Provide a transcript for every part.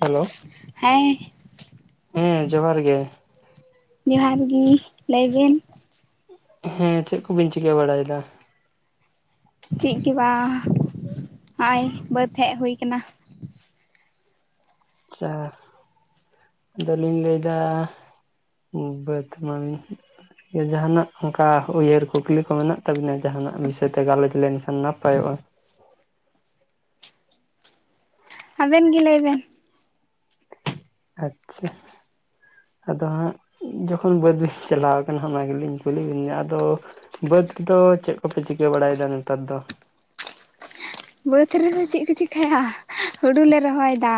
Hello. ᱦᱮᱸ ᱦᱮᱸ ᱡᱚᱦᱟᱨ ᱜᱮ ᱡᱚᱦᱟᱨ ᱜᱤ, ᱞᱟᱹᱭ ᱵᱮᱱ᱾ ᱦᱮᱸ ᱪᱮᱫ ᱠᱚᱵᱤᱱ ᱪᱤᱠᱟᱹ ᱵᱟᱲᱟᱭᱫᱟ? ᱪᱮᱫ ᱜᱮ ᱵᱟᱝ, ᱦᱚᱸᱜ-ᱚᱭ ᱵᱟᱹᱫᱽ ᱦᱮᱡ ᱦᱩᱭ ᱠᱟᱱᱟ᱾ ᱟᱪᱪᱷᱟ, ᱟᱫᱚᱞᱤᱧ ᱞᱟᱹᱭᱫᱟ᱾ ᱵᱟᱹᱫᱽ ᱢᱟᱱ ᱡᱟᱸᱦᱟᱱᱟᱜ ᱚᱝᱠᱟ ᱩᱭᱦᱟᱹᱨ ᱠᱩᱠᱞᱤ ᱠᱚ ᱢᱮᱱᱟᱜ ᱛᱟᱵᱤᱱᱟ? ᱡᱟᱸᱦᱟᱱᱟᱜ ᱵᱤᱥᱚᱭᱛᱮ ᱜᱟᱞᱚᱪ ᱞᱮᱱᱠᱷᱟᱱ ᱱᱟᱯᱟᱭᱚᱜ-ᱟ᱾ ᱟᱵᱮᱱ ᱜᱮ ᱞᱟᱹᱭᱵᱮᱱ᱾ ᱟᱪᱪᱷᱟ᱾ ᱟᱫᱚ ᱦᱟᱸᱜ ᱡᱚᱠᱷᱚᱱ ᱵᱟᱹᱫᱽ ᱵᱤᱱ ᱪᱟᱞᱟᱣ ᱠᱟᱱᱟ ᱚᱱᱟ ᱜᱮᱞᱤᱧ ᱠᱩᱞᱤ ᱵᱤᱱᱟ, ᱟᱫᱚ ᱵᱟᱹᱫᱽ ᱠᱚᱫᱚ ᱪᱮᱫ ᱠᱚᱯᱮ ᱪᱤᱠᱟᱹ ᱵᱟᱲᱟᱭᱮᱫᱟ ᱱᱮᱛᱟᱨ ᱫᱚ? ᱵᱟᱹᱫᱽ ᱨᱮᱫᱚ ᱪᱮᱫ ᱠᱚ ᱪᱤᱠᱟᱹᱭᱟ? ᱦᱩᱲᱩ ᱞᱮ ᱨᱚᱦᱚᱭᱫᱟ᱾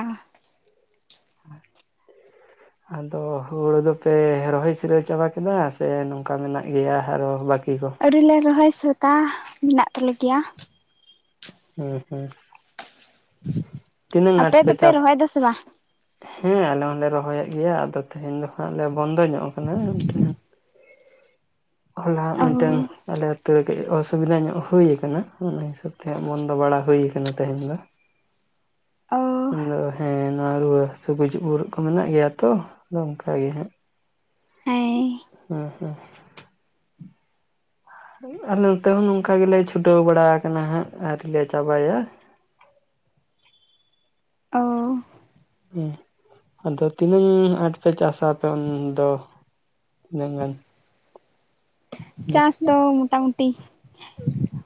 ᱦᱩᱸ᱾ ᱟᱫᱚ ᱦᱩᱲᱩ ᱫᱚᱯᱮ ᱨᱚᱦᱚᱭ ᱥᱤᱨᱟᱹᱣ ᱪᱟᱵᱟ ᱠᱮᱫᱟ ᱥᱮ ᱱᱚᱝᱠᱟ ᱢᱮᱱᱟᱜ ᱜᱮᱭᱟ ᱟᱨᱚ ᱵᱟᱹᱠᱤ ᱠᱚ? ᱟᱹᱣᱨᱤᱞᱮ ᱨᱚᱦᱚᱭ ᱥᱟᱹᱛᱟ, ᱢᱮᱱᱟᱜ ᱛᱟᱞᱮ ᱜᱮᱭᱟ᱾ ᱦᱮᱸ ᱦᱩᱸ᱾ ᱛᱤᱱᱟᱹᱜ ᱟᱸᱴ ᱟᱯᱮ ᱯᱮ ᱫᱚᱯᱮ ᱪᱟᱥ ᱨᱚᱦᱚᱭᱫᱟ ᱥᱮ ᱵᱟ? ᱦᱮᱸ ᱟᱞᱮ ᱦᱚᱸᱞᱮ ᱨᱚᱦᱚᱭᱮᱫ ᱜᱮᱭᱟ ᱟᱫᱚ ᱛᱮᱦᱮᱧ ᱫᱚ ᱦᱟᱜ ᱞᱮ ᱵᱚᱱᱫᱚ ᱧᱚᱜ ᱠᱟᱱᱟ, ᱢᱤᱫᱴᱮᱱ ᱦᱚᱞᱟ ᱚ ᱢᱮᱱᱴᱟᱹᱝ ᱟᱞᱮ ᱟᱛᱩᱨ ᱨᱮ ᱠᱟᱹᱡ ᱚᱥᱩᱵᱤᱫᱟ ᱧᱚᱜ ᱦᱩᱭ ᱟᱠᱟᱱᱟ ᱚᱱᱟ ᱦᱤᱥᱟᱹᱵᱽ ᱛᱮ ᱦᱟᱸᱜ ᱵᱚᱱᱫᱚ ᱵᱟᱲᱟ ᱦᱩᱭ ᱟᱠᱟᱱᱟ ᱛᱮᱦᱮᱱ ᱫᱚ ᱚ ᱾ ᱦᱮᱸ ᱾ ᱚᱱᱟ ᱨᱩᱣᱟᱹ ᱦᱟᱹᱥᱩ ᱜᱩᱡᱩᱜ ᱜᱩᱨᱩᱜ ᱠᱚ ᱢᱮᱱᱟᱜ ᱜᱮᱭᱟ ᱛᱚ ᱟᱫᱚ ᱚᱱᱠᱟᱜᱮ ᱦᱟᱸᱟᱜ ᱾ ᱮᱭ ᱾ ᱦᱮᱸ ᱦᱮᱸ ᱾ ᱟᱞᱮ ᱱᱚᱛᱮ ᱦᱚᱸ ᱱᱚᱝᱠᱟ ᱜᱮᱞᱮ ᱪᱷᱩᱴᱟᱹᱣ ᱵᱟᱲᱟ ᱟᱠᱟᱱᱟᱟᱱᱟ ᱦᱟᱸᱜ ᱟᱣᱨᱤ ᱞᱮ ᱪᱟᱵᱟᱭᱟ ᱾ ᱚ ᱾ ᱦᱮᱸ ᱟᱫᱚ ᱛᱤᱱᱟᱹᱝ ᱟᱴ ᱯᱮ ᱪᱟᱥᱟ ᱟᱯᱮ ᱩᱱ ᱫᱚ? [inaudible] ᱪᱟᱥ ᱫᱚ ᱢᱚᱴᱟᱢᱩᱴᱤ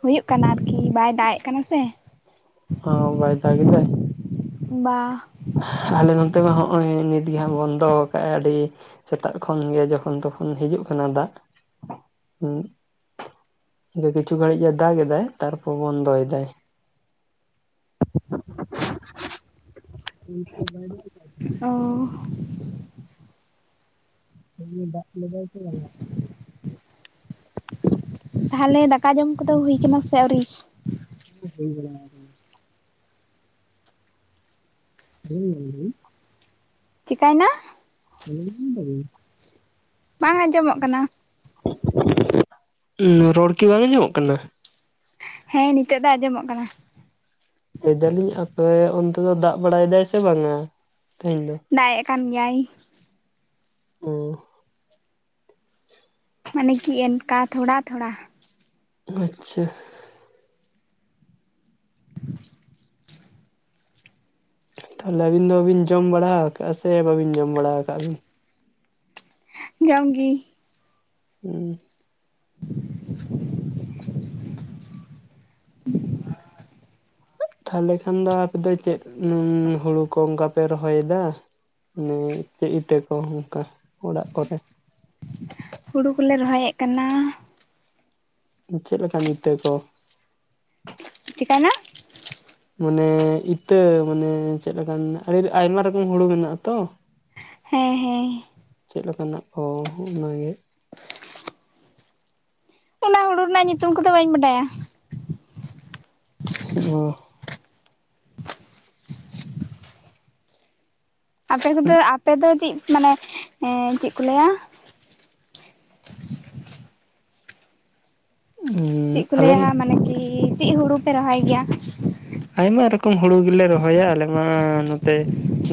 ᱦᱩᱭᱩᱜ ᱠᱟᱱᱟ ᱟᱨᱠᱤ ᱵᱟᱭ ᱫᱟᱜ ᱮᱫ ᱠᱟᱱᱟ ᱥᱮ ᱾ ᱚ ᱵᱟᱹᱭ ᱫᱟᱜ ᱮᱫᱟᱭ? ᱵᱟᱝ ᱾ ᱟᱞᱮ ᱱᱚᱱᱛᱮ ᱢᱟ ᱦᱚᱸᱜᱼᱚᱭ ᱱᱤᱛᱜᱮ ᱦᱟᱸᱜ ᱵᱚᱱᱫᱚ ᱠᱟᱜᱼᱟᱭ ᱟᱹᱰᱤ ᱥᱮᱛᱟᱜ ᱠᱷᱚᱱᱜᱮ ᱡᱚᱠᱷᱚᱱ ᱛᱚᱠᱷᱚᱱ ᱦᱤᱡᱩᱜ ᱠᱟᱱᱟ ᱫᱟᱜ ᱦᱩ ᱾ ᱠᱤᱪᱷᱩ ᱜᱷᱟᱹᱲᱤᱡ ᱮ ᱫᱟᱜ ᱮᱫᱟᱭ ᱛᱟᱨᱯᱚᱨ ᱵᱚᱱᱫᱚ ᱮᱫᱟᱭ ᱾ ᱵᱟᱭ [inaudible] ᱚ, ᱫᱟ ᱞᱤᱫᱟᱭ ᱥᱮ ᱵᱟᱝ? ᱛᱟᱦᱚᱞᱮ ᱫᱟᱠᱟ ᱡᱚᱢ ᱠᱚᱫᱚ ᱦᱩᱭ ᱟᱠᱟᱱᱟ ᱥᱮ ᱟᱹᱣᱨᱤ? ᱦᱩᱭ ᱵᱚᱲᱚ [inaudible] ᱦᱮᱸ ᱦ ᱾ ᱪᱤᱠᱟᱭᱱᱟ? [inaudible] ᱵᱟᱝ ᱟᱸᱡᱚᱢᱚᱜ ᱠᱟᱱᱟ ᱾ ᱨᱚᱲ ᱠᱤ ᱵᱟᱝ ᱟᱸᱡᱚᱢ ᱠᱟᱱᱟ? ᱦᱮᱸ ᱱᱤᱛᱳᱜ ᱫᱚ ᱟᱸᱡᱚᱢᱚᱜ ᱠᱟᱱᱟ ᱾ ᱞᱟᱹᱭ ᱫᱟᱞᱤᱧ ᱟᱯᱮ ᱚᱱᱛᱮ ᱫᱚ ᱫᱟᱜ ᱵᱟᱲᱟᱭᱮᱫᱟᱭ ᱥᱮ ᱵᱟᱝᱟ ᱛᱮᱦᱮᱧ ᱫᱚ? ᱫᱟᱭ ᱮᱫ ᱠᱟᱱ ᱜᱮᱭᱟᱭ ᱾ ᱚ ᱾ ᱢᱟᱱᱮ ᱠᱤ ᱮᱱᱠᱟ ᱛᱷᱚᱲᱟ ᱛᱷᱚᱲᱟ ᱾ ᱟᱪᱪᱷᱟ ᱾ ᱛᱟᱦᱚᱞᱮ ᱟᱹᱵᱤᱱ ᱫᱚ ᱵᱤᱱ ᱡᱚᱢ ᱵᱟᱲᱟ ᱟᱠᱟᱜᱼᱟ ᱥᱮ ᱵᱽᱵᱤᱱ ᱡᱚᱢ ᱵᱟᱲᱟ ᱟᱠᱟᱜ ᱵᱤᱱ? ᱡᱟᱢ ᱜᱤ ᱾ ᱦᱩᱸ ᱾ [unintelligible] ᱛᱟᱦᱚᱞᱮ ᱠᱷᱟᱱ ᱫᱚ ᱟᱯᱮ ᱫᱚ ᱪᱮᱫ ᱦᱩᱲᱩ ᱠᱚ ᱚᱱᱠᱟᱯᱮ ᱨᱚᱦᱚᱭᱮᱫᱟ? ᱢᱟᱱᱮ ᱪᱮᱫ ᱤᱛᱟᱹ ᱠᱚ ᱚᱱᱠᱟ ᱚᱲᱟᱜ ᱠᱚᱨᱮ ᱾ ᱦᱩᱲᱳ ᱠᱚᱞᱮ ᱨᱚᱦᱚᱭᱮᱫ ᱠᱟᱱᱟ ᱾ ᱪᱮᱫ ᱞᱮᱠᱟᱱ ᱤᱛᱟᱹ ᱠᱚ? ᱪᱤᱠᱟᱹᱭᱱᱟ ᱾ ᱢᱟᱱᱮ ᱤᱛᱟᱹ ᱢᱟᱱᱮ ᱪᱮᱫᱞᱮᱠᱟᱱ ᱟᱹᱰᱤ ᱟᱭᱢᱟ ᱨᱚᱠᱚᱢ ᱦᱩᱲᱩ ᱢᱮᱱᱟᱜᱼᱟ ᱟᱛᱚ ᱾ ᱦᱮᱸ ᱦᱮᱸ ᱾ ᱪᱮᱫ ᱞᱮᱠᱚᱱᱟ ᱠᱚ ᱚᱱᱟᱜᱮ? ᱚᱱᱟ ᱦᱩᱲᱩ ᱨᱮᱱᱟᱜ ᱧᱩᱛᱩᱢ ᱠᱚᱫᱚ ᱵᱟᱹᱧ ᱵᱟᱰᱟᱭᱟ ᱾ ᱚ ᱾ ᱟᱯᱮ ᱠᱚᱫᱚ ᱟᱯᱮ ᱫᱚ ᱪᱮᱫ ᱢᱟᱱᱮ ᱪᱮᱫ ᱠᱚ ᱞᱟᱹᱭᱟ? ᱪᱮᱫ ᱠᱚ ᱟᱞᱮ ᱞᱟᱹᱭᱟ ᱢᱟᱱᱮ ᱠᱤ ᱪᱮᱫ ᱦᱩᱲᱩ ᱯᱮ ᱨᱚᱦᱚᱭ ᱜᱮᱭᱟ? ᱟᱭᱢᱟ ᱨᱚᱠᱚᱢ ᱦᱩᱲᱩ ᱜᱮᱞᱮ ᱨᱚᱦᱚᱭᱟ ᱟᱞᱮ ᱢᱟ ᱱᱚᱛᱮ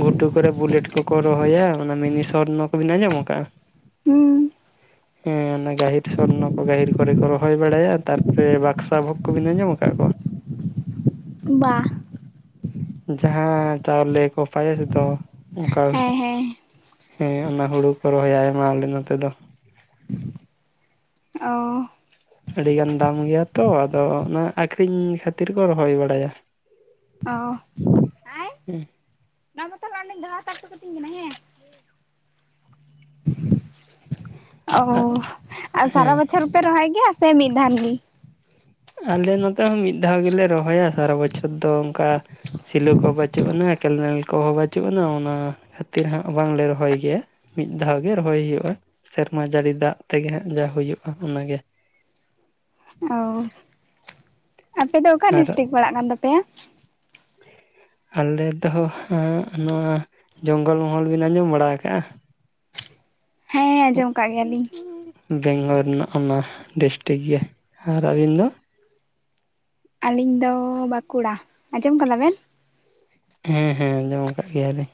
ᱜᱷᱩᱴᱩ ᱠᱚᱨᱮ ᱵᱩᱞᱮᱴ ᱠᱚᱠᱚ ᱨᱚᱦᱚᱭᱟ ᱚᱱᱟ ᱢᱤᱱᱤ ᱥᱚᱨᱱᱚ ᱠᱚᱵᱤᱱ ᱟᱸᱡᱚᱢ ᱟᱠᱟᱜ-ᱟ? ᱦᱩᱸ᱾ [inaudible] ᱦᱮᱸ ᱚᱱᱟ ᱜᱟᱹᱦᱤᱨ ᱥᱚᱨᱱᱚ ᱠᱚ ᱜᱟᱹᱦᱤᱨ ᱠᱚᱨᱮ ᱠᱚ ᱨᱚᱦᱚᱭ ᱵᱟᱲᱟᱭᱟ ᱛᱟᱨ ᱯᱚᱨᱮ ᱵᱟᱠᱽᱥᱟ ᱵᱷᱳᱜᱽ ᱠᱚᱵᱤᱱ ᱟᱸᱡᱚᱢ ᱟᱠᱟᱫ ᱠᱚᱣᱟ? ᱵᱟ᱾ ᱡᱟᱦᱟᱸ ᱪᱟᱣᱞᱮ ᱠᱚ ᱯᱟᱭᱮᱥ ᱫᱚ ᱚᱱᱠᱟ ᱦᱮᱸ ᱦᱮᱸ ᱦᱮᱸ ᱚᱱᱟ ᱦᱩᱲᱩ ᱠᱚ ᱨᱚᱦᱚᱭ ᱟᱭᱢᱟ ᱟᱞᱮ ᱱᱚᱛᱮ ᱫᱚ᱾ ᱚ᱾ ᱟᱹᱰᱤ ᱜᱟᱱ ᱫᱟᱢ ᱜᱮᱭᱟ ᱛᱚ ᱟᱫᱚ ᱚᱱᱟ ᱟᱠᱷᱨᱤᱧ ᱠᱷᱟᱹᱛᱤᱨ ᱠᱚ ᱨᱚᱦᱚᱭ ᱵᱟᱲᱟᱭᱟ᱾ ᱚ᱾ ᱟᱭ ᱦᱮᱸ᱾ ᱚᱱᱟ ᱛᱟᱞᱦᱮ ᱚᱰᱤᱧ ᱫᱚᱦᱚᱭ [inaudible] ᱠᱟᱛᱤᱧ ᱠᱟᱱᱟ ᱦᱮᱸ᱾ ᱚ ᱟᱨ ᱟᱨ ᱦᱮᱸ ᱥᱟᱨᱟ ᱵᱚᱪᱷᱚᱨ ᱯᱮ ᱨᱚᱦᱚᱭ ᱜᱮᱭᱟ ᱥᱮ ᱢᱤᱫ ᱫᱷᱟᱱ ᱜᱤ? ᱟᱞᱮ ᱱᱚᱛᱮ ᱦᱚᱸ ᱢᱤᱫ ᱫᱷᱟᱣ ᱜᱮᱞᱮ ᱨᱚᱦᱚᱭᱟ ᱥᱟᱨᱟ ᱵᱚᱪᱷᱚᱨ ᱫᱚ ᱚᱱᱠᱟ ᱥᱤᱞᱩ ᱠᱚ ᱵᱟᱹᱪᱩᱜ ᱟᱱᱟ ᱠᱮᱱᱮᱞ ᱠᱚᱦᱚᱸ ᱵᱟᱹᱪᱩᱜ ᱟᱱᱟ ᱚᱱᱟ ᱠᱷᱟᱹᱛᱤᱨ ᱦᱟᱸᱜ ᱵᱟᱝᱞᱮ ᱨᱚᱦᱚᱭ ᱜᱮᱭᱟ᱾ ᱢᱤᱫ ᱫᱷᱟᱣ ᱜᱮ ᱨᱚᱦᱚᱭ ᱦᱩᱭᱩᱜᱼᱟ ᱥᱮᱨᱢᱟ ᱡᱟᱹᱲᱤ ᱫᱟᱜ ᱛᱮᱜᱮ ᱦᱟᱸᱜ ᱡᱟ ᱦᱩᱭᱩᱜᱼᱟ ᱚᱱᱟᱜᱮ᱾ ᱚ ᱟᱯᱮ ᱫᱚ ᱚᱠᱟ ᱟᱨ ᱰᱤᱥᱴᱤᱠ ᱯᱟᱲᱟᱜ ᱠᱟᱱ ᱛᱟᱯᱮᱭᱟ? [inaudible] ᱟᱞᱮ ᱫᱚ ᱦᱟᱸᱜ ᱱᱚᱣᱟ ᱡᱚᱝᱜᱚᱞ ᱢᱚᱦᱚᱞ ᱵᱮᱱ ᱟᱸᱡᱚᱢ ᱵᱟᱲᱟ ᱟᱠᱟᱜᱼᱟ? ᱦᱮᱸ ᱟᱸᱡᱚᱢ ᱟᱠᱟᱜ ᱜᱮᱭᱟᱞᱤᱧ। ᱵᱮᱝᱜᱚᱞ ᱨᱮᱱᱟᱜ ᱚᱱᱟ ᱰᱤᱥᱴᱤᱠ ᱜᱮ ᱟᱨ ᱟᱹᱵᱤᱱ ᱫᱚ? ᱟᱹᱞᱤᱧ ᱫᱚ ᱵᱟᱸᱠᱩᱲᱟ ᱟᱸᱡᱚᱢ ᱟᱠᱟᱫᱟ ᱵᱮᱱ? ᱦᱮᱸ ᱦᱮᱸ ᱟᱸᱡᱚᱢ ᱠᱟᱜ ᱜᱮᱭᱟᱞᱤᱧ᱾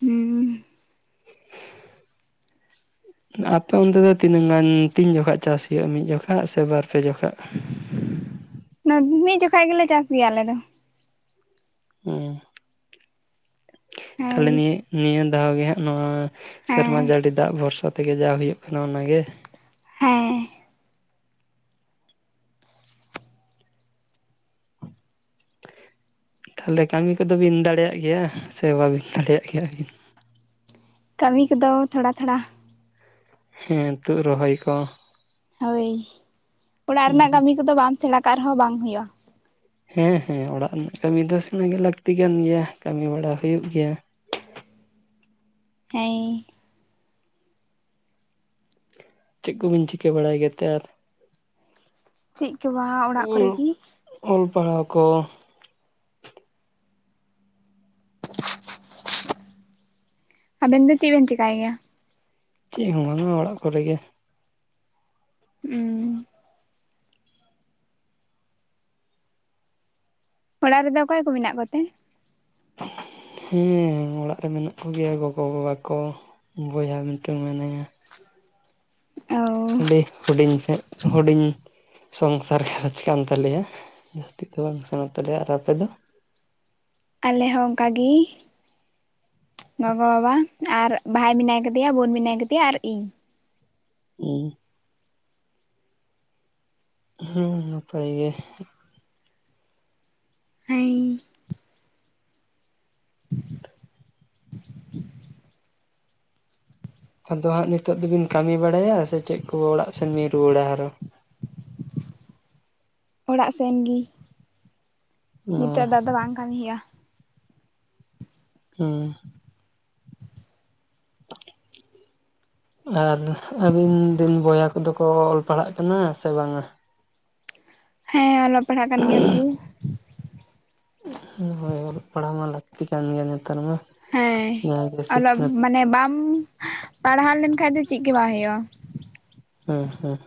ᱦᱩᱸ᱾ ᱟᱯᱮ ᱚᱱᱛᱮ ᱫᱚ ᱛᱤᱱᱟᱹᱜ ᱜᱟᱱ ᱛᱤᱱ ᱡᱚᱠᱷᱚᱡ ᱪᱟᱥ ᱦᱩᱭᱩᱜᱼᱟ ᱢᱤᱫ ᱡᱚᱠᱷᱚᱡ ᱥᱮ ᱵᱟᱨᱯᱮ ᱡᱚᱠᱷᱚᱡ? ᱚᱱᱟ ᱢᱤᱫ ᱡᱚᱠᱷᱟᱡ ᱜᱮᱞᱮ ᱪᱟᱥ ᱜᱮᱭᱟ ᱟᱞᱮ ᱫᱚ᱾ ᱦᱩᱸ ᱛᱟᱦᱚᱞᱮ ᱦᱳᱭ ᱱᱤᱭᱟᱹ ᱱᱤᱭᱟᱹ ᱫᱷᱟᱣ ᱜᱮ ᱦᱟᱸᱜ ᱱᱚᱣᱟ ᱥᱮᱨᱢᱟ ᱦᱮᱸ ᱡᱟᱹᱲᱤ ᱫᱟᱜ ᱵᱷᱚᱨᱥᱟ ᱛᱮᱜᱮ ᱡᱟ ᱦᱩᱭᱩᱜ ᱠᱟᱱᱟ ᱚᱱᱟᱜᱮ᱾ ᱦᱮᱸ ᱛᱟᱦᱚᱞᱮ ᱠᱟᱹᱢᱤ ᱠᱚᱫᱚ ᱵᱤᱱ ᱫᱟᱲᱮᱭᱟᱜ ᱜᱮᱭᱟ ᱥᱮ ᱵᱟᱵᱤᱱ ᱫᱟᱲᱮᱭᱟᱜ ᱜᱮᱭᱟᱵᱤᱱ? ᱠᱟᱹᱢᱤ ᱠᱚᱫᱚ ᱛᱷᱚᱲᱟ ᱛᱷᱚᱲᱟ᱾ ᱦᱮᱸ ᱛᱩᱫ ᱨᱚᱦᱚᱭ ᱠᱚ? ᱦᱳᱭ ᱚᱲᱟᱜ ᱨᱮᱱᱟᱜ ᱠᱟᱹᱢᱤ ᱠᱚᱫᱚ ᱵᱟᱢ ᱥᱮᱬᱟ ᱠᱟᱜ ᱨᱮᱦᱚᱸ ᱵᱟᱝ ᱦᱩᱭᱩᱜᱼᱟ᱾ ᱦᱮᱸ ᱦᱮᱸ ᱚᱲᱟᱜ ᱨᱮᱱᱟᱜ ᱠᱟᱹᱢᱤ ᱫᱚ ᱥᱮᱱᱟ ᱜᱮ ᱞᱟᱹᱠᱛᱤ ᱠᱟᱱ ᱜᱮᱭᱟ ᱠᱟᱹᱢᱤ ᱵᱟᱲᱟ ᱦᱩᱭᱩᱜ ᱜᱮᱭᱟ᱾ ᱦᱮᱸ᱾ ᱪᱮᱫ ᱠᱚᱵᱤᱱ ᱪᱤᱠᱟᱹ ᱵᱟᱲᱟᱭ ᱜᱮᱛᱮ ᱟᱨ? ᱪᱮᱫ ᱜᱮ ᱵᱟᱝ ᱚᱲᱟᱜ ᱚᱞ ᱠᱚᱨᱮᱜᱤ᱾ ᱚᱞ ᱯᱟᱲᱦᱟᱣ ᱠᱚ᱾ ᱟᱵᱮᱱ ᱫᱚ ᱪᱮᱫ ᱵᱮᱱ ᱪᱮᱠᱟᱭ ᱜᱮᱭᱟ? ᱪᱮᱫ ᱦᱚᱸ ᱵᱟᱝᱟ ᱚᱲᱟᱜ ᱠᱚᱨᱮᱜᱮ᱾ ᱩᱸ᱾ ᱚᱲᱟᱜ ᱨᱮᱫᱚ ᱚᱠᱚᱭ ᱠᱚ ᱢᱮᱱᱟᱜ ᱠᱚᱛᱮ? ᱦᱩᱸ ᱚᱲᱟᱜ ᱨᱮ ᱢᱮᱱᱟᱜ ᱠᱚᱜᱮᱭᱟ ᱜᱚᱜᱚᱼᱵᱟᱵᱟ ᱠᱚ ᱵᱚᱭᱦᱟ ᱢᱤᱫᱴᱟᱝ ᱢᱮᱱᱟᱭᱟ। ᱚᱻ ᱟᱹᱰᱤ ᱦᱩᱰᱤᱧ ᱥᱮ ᱦᱩᱰᱤᱧ ᱥᱚᱝᱥᱟᱨ ᱜᱷᱟᱨᱚᱸᱡᱽ ᱠᱟᱱ ᱛᱟᱞᱮᱭᱟ ᱡᱟᱹᱥᱛᱤ ᱫᱚ ᱵᱟᱝ ᱥᱮᱲᱟ ᱛᱟᱞᱮᱭᱟ, ᱟᱨ ᱟᱯᱮ ᱫᱚ? ᱟᱞᱮ ᱦᱚᱸ ᱚᱱᱠᱟ ᱜᱮ ᱜᱚᱜᱚ -ᱵᱟᱵᱟ ᱟᱨ ᱵᱷᱟᱭ ᱢᱮᱱᱟᱭ ᱟᱠᱟᱫᱮᱭᱟ ᱵᱳᱱ ᱢᱮᱱᱟᱭ ᱠᱟᱫᱮᱭᱟ ᱟᱨ ᱤᱧ ᱾ [unintelligible] ᱦᱩᱸ ᱱᱟᱯᱟᱭ ᱜᱮ᱾ [unintelligible] ᱟᱫᱚ ᱦᱟᱸᱜ ᱱᱤᱛᱚᱜ ᱫᱚᱵᱤᱱ ᱠᱟᱹᱢᱤ ᱵᱟᱲᱟᱭᱟ ᱥᱮ ᱪᱮᱫ ᱠᱚ ᱚᱲᱟᱜ ᱥᱮᱱ ᱵᱤᱱ ᱨᱩᱣᱟᱹᱲᱟ ᱟᱨᱚ? ᱚᱲᱟᱜ ᱥᱮᱱ ᱜᱤ ᱚ ᱱᱤᱛᱚᱜ ᱫᱚ ᱟᱫᱚ ᱵᱟᱝ ᱠᱟᱹᱢᱤ ᱦᱩᱭᱩᱜᱼᱟ᱾ ᱦᱩᱸ᱾ [unintelligible] ᱟᱨ ᱟᱹᱵᱤᱱ ᱨᱤᱱ ᱵᱚᱭᱦᱟ ᱠᱚᱫᱚ ᱠᱚ ᱚᱞ ᱯᱟᱲᱦᱟᱜ ᱠᱟᱱᱟ ᱥᱮ ᱵᱟᱝᱟ? ᱦᱮᱸ ᱚᱞᱚᱜ ᱯᱟᱲᱦᱟᱜ ᱠᱟᱱ ᱜᱮᱭᱟ ᱠᱚ᱾ ᱦᱚᱭ ᱚᱞᱚᱜ ᱯᱟᱲᱦᱟᱣ ᱢᱟ ᱞᱟᱹᱠᱛᱤ ᱠᱟᱱ ᱜᱮᱭᱟ ᱱᱮᱛᱟᱨ ᱢᱟ ᱾ ᱦᱮᱸ ᱚᱞᱚᱜ ᱢᱟᱱᱮ ᱵᱟᱢ ᱯᱟᱲᱦᱟᱣ ᱞᱮᱱ ᱠᱷᱟᱱᱡ ᱫᱚ ᱪᱮᱫ ᱜᱮ ᱵᱟᱝ ᱦᱩᱭᱩᱜᱼᱟ᱾ ᱦᱮᱸ ᱦᱮᱸ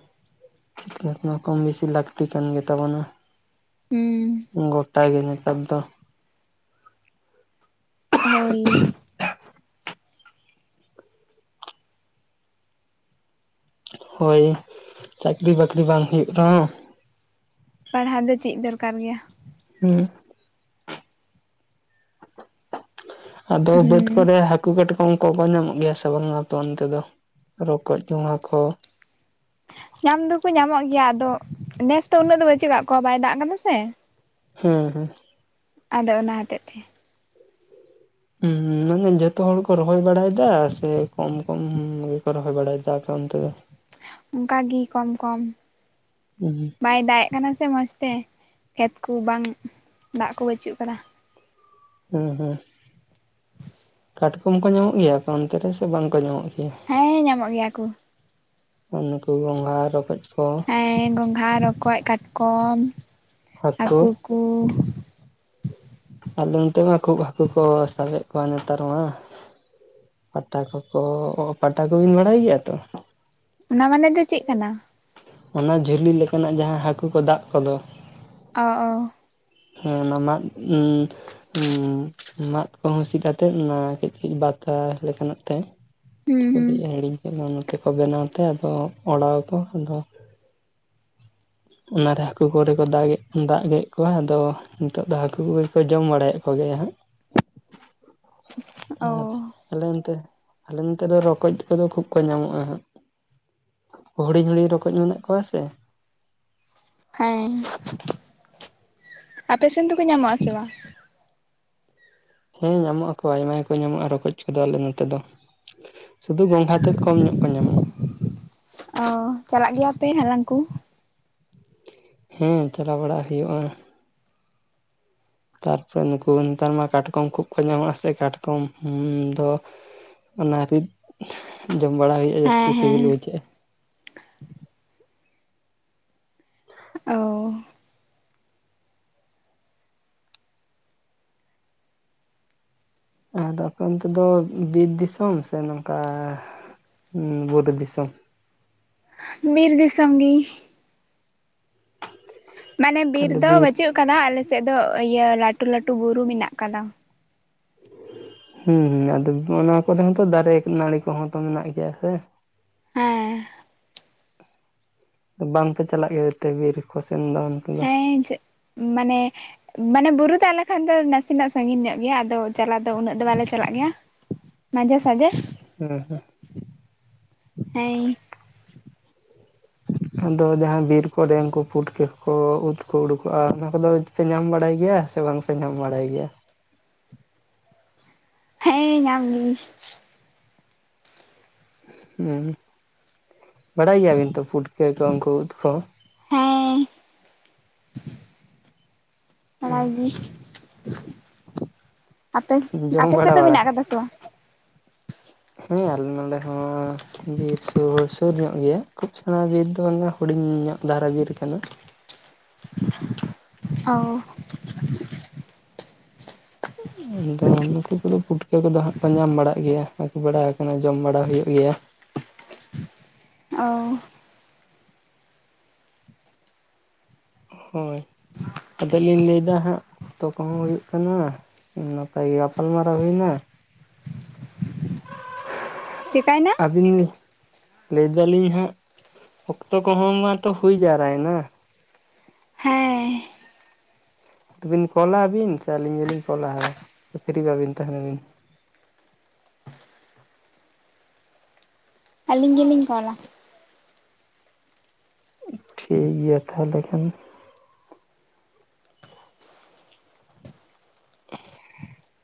ᱡᱮᱛᱱᱟ ᱠᱚᱢ ᱵᱮᱥᱤ ᱞᱟᱹᱠᱛᱤ ᱠᱟᱱ ᱜᱮ ᱛᱟᱵᱚᱱᱟ᱾ ᱦᱩᱸ᱾ ᱜᱚᱴᱟ ᱜᱮ ᱱᱮᱛᱟᱨ ᱫᱚ᱾ ᱦᱳᱭ᱾ ᱦᱳᱭ ᱪᱟᱹᱠᱨᱤ ᱵᱟᱠᱨᱤ ᱵᱟᱝ ᱦᱩᱭᱩᱜ ᱨᱮᱦᱚᱸ ᱯᱟᱲᱦᱟᱣ ᱫᱚ ᱪᱮᱫ ᱫᱚᱨᱠᱟᱨ ᱜᱮᱭᱟ᱾ ᱦᱩᱸ ᱾ ᱟᱫᱚ ᱵᱟᱹᱫ ᱦᱩᱸ ᱠᱚᱨᱮ ᱦᱟᱹᱠ ᱦᱟᱹᱠᱩ ᱠᱟᱹᱴᱠᱚᱢ ᱠᱚᱠᱚ ᱧᱟᱢᱚᱜ ᱜᱮᱭᱟ ᱥᱮ ᱵᱟᱝᱟ ᱟᱯᱮ ᱚᱱᱛᱮ ᱫᱚ ᱨᱚᱠᱚᱡ ᱜᱚᱸᱜᱷᱟ ᱠᱚ! ᱧᱟᱢ ᱫᱚᱠᱚ ᱧᱟᱢᱚᱜ ᱜᱮᱭᱟ ᱟᱫᱚ ᱱᱮᱥ ᱫᱚ ᱩᱱᱟᱹᱜ ᱫᱚ ᱵᱟᱹᱪᱩᱜ ᱟᱠᱟᱫ ᱠᱚᱣᱟ ᱵᱟᱭ ᱫᱟᱜ ᱟᱠᱟᱫᱟ ᱥᱮ᱾ ᱦᱩᱸ ᱦᱩᱸ ᱾ ᱟᱫᱚ ᱚᱱᱟ ᱦᱚᱛᱮᱜ ᱛᱮ ᱾ ᱦᱩᱸ ᱢᱮᱱ ᱫᱤᱧ ᱡᱚᱛᱚ ᱦᱚᱲ ᱠᱚ ᱨᱚᱦᱚᱭ ᱵᱟᱲᱟᱭ ᱫᱟ ᱥᱮ ᱠᱚᱢ ᱠᱚᱢ ᱠᱚ ᱨᱚᱦᱚᱸᱭ ᱵᱟᱲᱟᱭ ᱫᱟ ᱟᱯᱮ ᱚᱱᱛᱮ ᱫᱚ? ᱚᱱᱠᱟᱜᱤ ᱠᱚᱢ ᱠᱚᱢ ᱾ [unintelligible] ᱵᱟᱭ ᱫᱟᱜ ᱮ ᱠᱟᱱᱟ ᱥᱮ ᱢᱚᱡᱽ ᱛᱮ ᱠᱷᱮᱛ ᱠᱚ ᱵᱟᱝ ᱫᱟᱜ ᱠᱚ ᱵᱟᱹᱪᱩᱜ ᱟᱠᱟᱫᱟ᱾ ᱦᱩᱸ ᱦᱩᱸ ᱾ [unintelligible] ᱠᱟᱴᱠᱚᱢ ᱠᱚ ᱧᱟᱢᱚᱜ ᱜᱮᱭᱟ ᱟᱯᱮ ᱚᱱᱛᱮ ᱨᱮ ᱥᱮ ᱵᱟᱝ ᱠᱚ ᱧᱟᱢᱚᱜ ᱜᱮᱭᱟ? ᱦᱮᱸ ᱧᱟᱢᱚᱜ ᱜᱮᱭᱟ ᱠᱚ ᱾ ᱩᱱᱠᱩ ᱜᱚᱸᱜᱷᱟ ᱨᱚᱠᱚᱡ ᱠᱚ᱾ ᱦᱮᱸ ᱜᱚᱝᱜᱷᱟ ᱨᱚᱠᱚᱡ ᱠᱟᱴᱠᱚᱢ ᱦᱟᱹᱠᱩ ᱠᱚ ᱟᱫᱚ ᱱᱚᱛᱮ ᱢᱟ ᱠᱷᱩᱵ ᱦᱟᱹᱠᱩ ᱠᱚ ᱥᱟᱵᱮᱫ ᱠᱚᱣᱟ ᱱᱮᱛᱟᱨ ᱢᱟ᱾ ᱯᱟᱴᱟ ᱠᱚᱠᱚ ᱯᱟᱴᱟ ᱠᱚᱵᱮᱱ ᱵᱟᱲᱟᱭ ᱜᱮᱭᱟ ᱛᱚ? ᱚᱱᱟ ᱢᱟᱱᱮ ᱫᱚ ᱪᱮᱫ ᱠᱟᱱᱟ? ᱚᱱᱟ ᱡᱷᱟᱹᱞᱤ ᱞᱮᱠᱟᱱᱟᱜ ᱡᱟᱦᱟᱸ ᱦᱟᱹᱠᱩ ᱠᱚ ᱫᱟᱜ ᱠᱚᱫᱚ ᱚ ᱚ ᱦᱮᱸ ᱚᱱᱟ ᱢᱟᱫᱽ ᱩᱸ ᱩᱸ ᱢᱟᱫᱽ ᱠᱚ ᱦᱩᱥᱤᱫ ᱟᱛᱮᱜ ᱚᱱᱟ ᱠᱟᱹᱪ ᱠᱟᱹᱪ ᱵᱟᱛᱟ ᱞᱮᱠᱟᱱᱟᱜ ᱛᱮ ᱪᱮᱫ ᱦᱩᱸ ᱠᱚ ᱦᱩᱸ ᱦᱤᱲᱤᱧ ᱠᱮᱫ ᱫᱚ ᱱᱚᱛᱮ ᱠᱚ ᱵᱮᱱᱟᱣ ᱛᱮ ᱟᱫᱚ ᱚᱲᱟᱣ ᱟᱠᱚ ᱟᱫᱚ ᱚᱱᱟᱨᱮ ᱦᱟᱹᱠᱩ ᱠᱚᱨᱮ ᱠᱚ ᱫᱟᱜ ᱜᱮᱫ ᱫᱟᱜ ᱜᱮᱫ ᱠᱚᱣᱟ ᱟᱫᱚ ᱱᱤᱛᱚᱜ ᱫᱚ ᱦᱟᱹᱠᱩ ᱠᱚᱜᱮ ᱠᱚ ᱡᱚᱢ ᱵᱟᱲᱟᱭᱮᱫ ᱠᱚᱜᱮᱭᱟ ᱦᱟᱸᱜ ᱟᱨ ᱚ ᱟᱞᱮ ᱚᱱᱛᱮ, ᱟᱞᱮ ᱱᱚᱛᱮ ᱫᱚ ᱨᱚᱠᱚᱡ ᱠᱚᱫᱚ ᱠᱷᱩᱵ ᱠᱚ ᱧᱟᱢᱚᱜᱼᱟ ᱦᱟᱸᱜ᱾ ᱦᱩᱰᱤᱧ ᱦᱩᱰᱤᱧ ᱨᱚᱠᱚᱡ ᱢᱮᱱᱟᱜ ᱠᱚᱣᱟ ᱥᱮ ᱦᱮᱸ, ᱟᱯᱮ ᱥᱮᱱ ᱫᱚᱠᱚ ᱧᱟᱢᱚᱜ ᱟᱥᱮ ᱵᱟᱝ? ᱦᱮᱸ ᱧᱟᱢᱚᱜ ᱟᱠᱚ ᱟᱭᱢᱟ ᱜᱮᱠᱚ ᱧᱟᱢᱚᱜᱼᱟ ᱨᱚᱠᱚᱡ ᱠᱚᱫᱚ ᱟᱞᱮ ᱱᱚᱛᱮ ᱫᱚ᱾ ᱥᱩᱫᱷᱩ ᱜᱚᱝᱜᱷᱟ ᱛᱮᱫ ᱠᱚᱢ ᱧᱚᱜ ᱠᱚ ᱧᱟᱢᱚᱜᱼᱟ᱾ ᱚ ᱪᱟᱞᱟᱜ ᱜᱮᱭᱟ ᱯᱮ ᱦᱟᱞᱟᱝ ᱠᱚ? ᱦᱩᱸ ᱪᱟᱞᱟᱣ ᱵᱟᱲᱟᱜ ᱦᱩᱭᱩᱜᱼᱟ᱾ ᱛᱟᱨᱯᱚᱨᱮ ᱱᱩᱠᱩ ᱱᱮᱛᱟᱨ ᱢᱟ ᱠᱟᱴᱠᱚᱢ ᱠᱷᱩᱵ ᱠᱚ ᱧᱟᱢᱚᱜᱼᱟ ᱥᱮ ᱠᱟᱴᱠᱚᱢ ᱦᱩᱸ ᱫᱚ ᱚᱱᱟ ᱨᱤᱫ ᱡᱚᱢ ᱵᱟᱲᱟ ᱦᱩᱭᱩᱜᱼᱟ ᱡᱟᱹᱥᱛᱤ ᱦᱮᱸ ᱦᱮᱸ ᱥᱤᱵᱤᱞ ᱵᱩᱡᱷᱟᱹᱜᱼᱟ᱾ ᱚ ᱟᱫᱚ ᱟᱯᱮ ᱚᱱᱛᱮ ᱫᱚ ᱵᱤᱨ ᱫᱤᱥᱚᱢ ᱥᱮ ᱱᱚᱝᱠᱟ ᱵᱩᱨᱩ ᱫᱤᱥᱚᱢ? ᱵᱤᱨ ᱫᱤᱥᱚᱢ ᱜᱮ ᱢᱟᱱᱮ ᱵᱤᱨ ᱫᱚ ᱵᱟᱹᱪᱩᱜ ᱠᱟᱫᱟ ᱟᱞᱮᱥᱮᱫ ᱫᱚ ᱤᱭᱟᱹ ᱞᱟᱴᱩ ᱞᱟᱴᱩ ᱵᱩᱨᱩ ᱢᱮᱱᱟᱜ ᱠᱟᱫᱟ᱾ ᱦᱩᱸ ᱦᱩᱸ ᱟᱫᱚ ᱚᱱᱟ ᱠᱚᱨᱮ ᱦᱚᱛᱚ ᱫᱟᱨᱮ ᱱᱟᱹᱲᱤ ᱠᱚᱦᱚᱸ ᱛᱚ ᱢᱮᱱᱟᱜ ᱜᱮᱭᱟ ᱥᱮ ᱦᱮᱸ ᱵᱟᱝᱯᱮ ᱪᱟᱞᱟᱜ ᱜᱮᱛᱮ ᱵᱤᱨ ᱠᱚ ᱥᱮᱱ ᱫᱚ? ᱫᱚ ᱦᱮᱸ ᱡᱟᱹᱜ ᱢᱟᱱᱮ ᱢᱟᱱᱮ ᱵᱩᱨᱩ ᱫᱚ ᱟᱞᱮᱠᱷᱚᱱ ᱫᱚ ᱱᱟᱥᱮᱱᱟᱜ ᱥᱟᱺᱜᱤᱧ ᱧᱚᱜ ᱜᱮᱭᱟ ᱟᱫᱚ ᱪᱟᱞᱟᱜ ᱫᱚ ᱩᱱᱟᱹᱜ ᱫᱚ ᱵᱟᱞᱮ ᱪᱟᱞᱟᱜ ᱜᱮᱭᱟ᱾ [inaudible] ᱢᱟᱡᱷᱮ ᱥᱟᱡᱮ ᱦᱮᱸ ᱦᱮᱸ ᱦᱮᱸ [inaudible] ᱟᱫᱚ ᱡᱟᱦᱟᱸ ᱵᱤᱨᱠᱚ ᱰᱮᱢᱠᱚ ᱯᱩᱴᱠᱟᱹ ᱠᱚ ᱩᱫ ᱠᱚ ᱩᱰᱩᱠᱚᱜᱼᱟ, ᱚᱱᱟ ᱠᱚᱫᱚ ᱯᱮ ᱧᱟᱢ ᱵᱟᱲᱟᱭ ᱜᱮᱭᱟ ᱥᱮ ᱵᱟᱝ ᱧᱟᱢ ᱵᱟᱲᱟᱭ ᱜᱮᱭᱟ ᱦᱮᱸ ᱧᱟᱢ ᱜᱤ ᱦᱩᱸ ᱵᱟᱲᱟᱭ ᱜᱮᱭᱟᱵᱤᱱ ᱛᱚ ᱯᱩᱴᱠᱟᱹ ᱠᱚ ᱩᱱᱠᱩ ᱩᱫ ᱠᱚ ᱦᱮᱸ ᱛᱷᱚᱲᱟ ᱜᱤ ᱟᱯᱮ ᱡᱚᱢ ᱟᱯᱮ ᱵᱟᱲᱟ ᱥᱮᱫ ᱫᱚ ᱵᱟᱲᱟ ᱢᱮᱱᱟᱜ ᱠᱟᱫᱟ ᱥᱮ ᱵᱟᱝ? ᱦᱮᱸ ᱟᱞᱮ ᱱᱚᱰᱮ ᱦᱚᱸ ᱵᱤᱨ ᱥᱩᱨ ᱥᱩᱨ ᱧᱚᱜ ᱜᱮᱭᱟ ᱠᱷᱩᱵ ᱥᱮᱬᱟ ᱵᱤᱨ ᱫᱚ ᱵᱟᱝᱟ ᱦᱩᱰᱤᱧ ᱧᱚᱜ ᱫᱷᱟᱨᱟ ᱵᱤᱨ ᱠᱟᱱᱟ᱾ ᱚ ᱟᱫᱚ ᱱᱩᱠᱩ ᱠᱚᱫᱚ ᱯᱩᱴ ᱠᱟᱹ ᱠᱚᱫᱚ ᱦᱟᱸᱜ ᱠᱚ ᱧᱟᱢ ᱵᱟᱲᱟᱜ ᱜᱮᱭᱟ ᱟᱹᱜᱩ ᱵᱟᱲᱟ ᱟᱠᱟᱱᱟ ᱡᱚᱢ ᱵᱟᱲᱟ ᱦᱩᱭᱩᱜ ᱜᱮᱭᱟ᱾ ᱚ ᱦᱳᱭ ᱟᱫᱚ ᱞᱤᱧ ᱞᱟᱹᱭ ᱫᱟ ᱦᱟᱸᱜ ᱚᱠᱛᱚ ᱠᱚᱦᱚᱸ ᱦᱩᱭᱩᱜ ᱠᱟᱱᱟ ᱱᱟᱯᱟᱭ ᱜᱟᱯᱟᱞᱢᱟᱨᱟᱣ ᱦᱩᱭᱱᱟ [inaudible] ᱪᱮᱠᱟᱭᱱᱟ? ᱟᱹᱵᱤᱱ ᱞᱟᱹᱭ ᱫᱟᱞᱤᱧ ᱦᱟᱸᱜ ᱚᱠᱛᱚ ᱠᱚᱦᱚᱸ ᱢᱟᱛᱚ ᱦᱩᱭ ᱡᱟᱣᱨᱟᱭᱱᱟ ᱦᱮᱸ ᱛᱮᱵᱤᱱ ᱠᱚᱞᱟᱵᱤᱱ ᱥᱮ ᱟᱹᱞᱤᱧ ᱜᱮᱞᱤᱧ ᱠᱚᱞᱟ ᱟᱨᱚ ᱥᱮ ᱯᱷᱤᱨᱤ ᱵᱟᱵᱤᱱ ᱛᱟᱦᱮᱱᱟ ᱟᱵᱤᱱ? ᱟᱹᱞᱤᱧ ᱜᱮᱞᱤᱧ ᱠᱚᱞᱟ ᱾ ᱴᱷᱤᱠ ᱜᱮᱭᱟ ᱛᱟᱦᱚᱞᱮ ᱠᱷᱟᱱ ᱾ [inaudible]